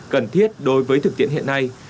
cần thiết đối với thực tiễn hiện nay